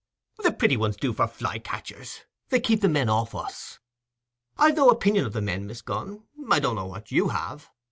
"The pretty uns do for fly catchers—they keep the men off us. I've no opinion o' the men, Miss Gunn—I don't know what you have.